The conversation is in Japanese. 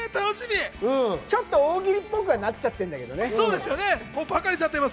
ちょっと大喜利っぽくなっちゃってるけどね。